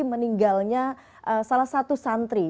meninggalnya salah satu santri